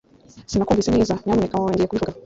Sinakumvise neza. Nyamuneka wongeye kubivuga?